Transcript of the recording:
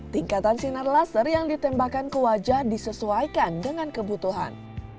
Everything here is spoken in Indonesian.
tingkatan sinar laser yang ditembakkan ke wajah disesuaikan dengan kebutuhan